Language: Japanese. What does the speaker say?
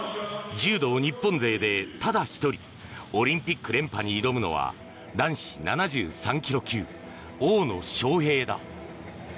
柔道日本勢でただ一人オリンピック連覇に挑むのは男子７３ｋｇ級、大野将平だ。